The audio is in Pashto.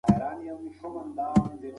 پښتو ژبه ورځ تر بلې پیاوړې کېږي.